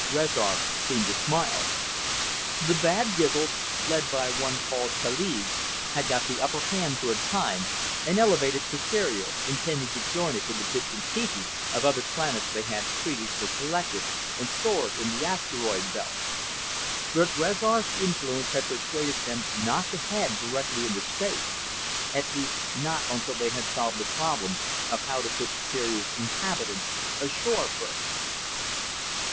Rezar seemed to smile. The Bad Gizls, led by one called Kaliz, had got the upper hand for a time and elevated Superior, intending to join it to the bits and pieces of other planets they had previously collected and stored in the asteroid belt. But Rezar's influence had persuaded them not to head directly into space at least not until they had solved the problem of how to put Superior's inhabitants "ashore" first.